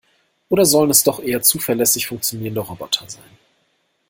Oder sollen es doch eher zuverlässig funktionierende Roboter sein?